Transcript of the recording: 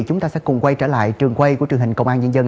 chúng ta sẽ cùng quay trở lại trường quay của truyền hình công an nhân dân